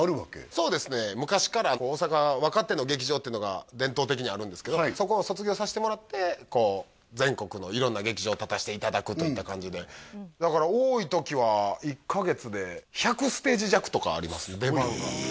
そうですね昔から大阪若手の劇場っていうのが伝統的にあるんですけどそこを卒業させてもらってこう全国の色んな劇場立たしていただくといった感じでだから多い時はとかあります出番がえっ！？